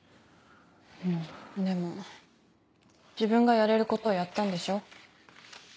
でも自分がやれることをやったんでしょ？